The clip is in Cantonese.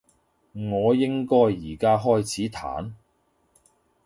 我應該而家開始彈？